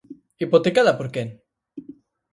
¿Hipotecada por quen?